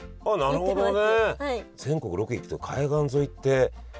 なるほどね。